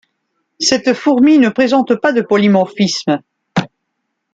Cette fourmi ne présente pas de polymorphisme.